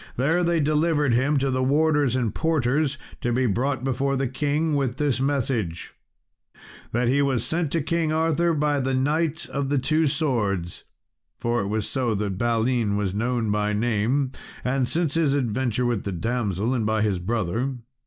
There they delivered him to the warders and porters, to be brought before the king, with this message "That he was sent to King Arthur by the knight of the two swords (for so was Balin known by name, since his adventure with the damsel) and by his brother."